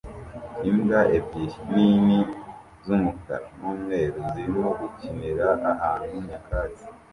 Imbwa ebyiri nini z'umukara n'umweru zirimo gukinira ahantu nyakatsi